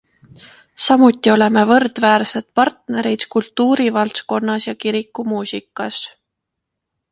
Samuti oleme võrdväärsed partnerid kultuurivaldkonnas ja kirikumuusikas.